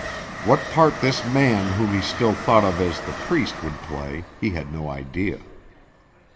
What part this man whom he still thought of as the Priest would play, he had no idea.